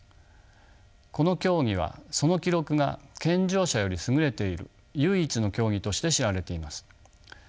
この競技はその記録が健常者より優れている唯一の競技として知られています。